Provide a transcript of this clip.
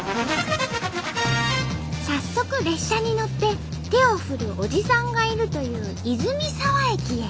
早速列車に乗って手を振るおじさんがいるという泉沢駅へ。